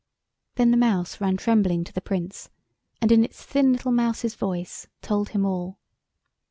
Then the Mouse ran trembling to the Prince, and in its thin little mouse's voice told him all.